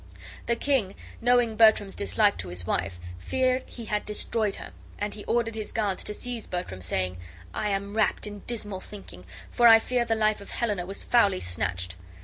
The king, knowing Bertram's dislike to his wife, feared he had destroyed her, and he ordered his guards to seize Bertram, saying: "I am wrapt in dismal thinking, for I fear the life of Helena was foully snatched."